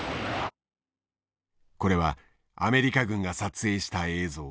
これはアメリカ軍が撮影した映像。